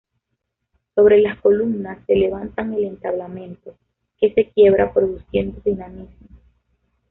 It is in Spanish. Sobre las columnas se levanta el entablamento, que se quiebra produciendo dinamismo.